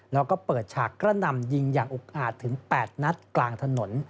แล้วก็เปิดฉากกระหน่ำยิงอย่างอุกอาจถึง๘นัดกลางถนน